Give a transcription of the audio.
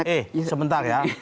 eh sebentar ya